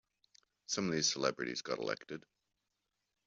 Some of these celebrities got elected.